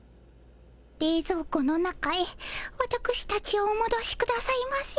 れいぞう庫の中へわたくしたちをおもどしくださいませ。